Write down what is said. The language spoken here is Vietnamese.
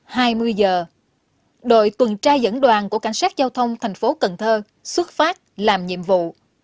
hai mươi giờ đội tuần tra dẫn đoàn của cảnh sát giao thông thành phố cần thơ xuất phát làm nhiệm vụ